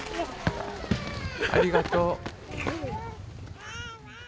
ありがとう。